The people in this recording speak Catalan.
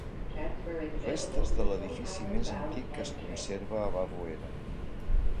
Restes de l'edifici més antic que es conserva a Barruera.